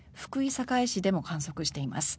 坂井市でも観測しています。